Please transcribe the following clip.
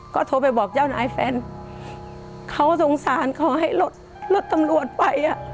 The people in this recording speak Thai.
ก็โทรไปบอกเจ้านายแฟนเขาสงสารเขาให้รถรถตำรวจไปอ่ะ